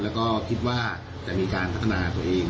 แล้วก็คิดว่าจะมีการพัฒนาตัวเอง